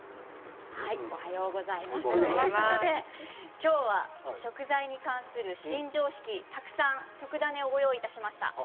今日は食材に関するシン・常識たくさん特ダネをご用意しました。